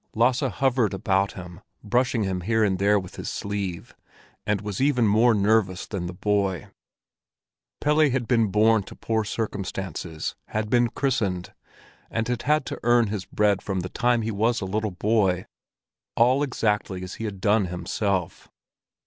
Lasse hovered about him, brushing him here and there with his sleeve, and was even more nervous than the boy. Pelle had been born to poor circumstances, had been christened, and had had to earn his bread from the time he was a little boy—all exactly as he had done himself.